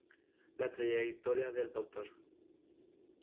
La trayectoria del Dr.